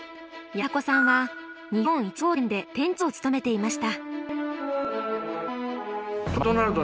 山迫さんは日本１号店で店長を務めていました。